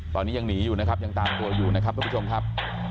ตอนนี้ยังหนีอยู่นะครับยังตามตัวอยู่นะครับทุกผู้ชมครับ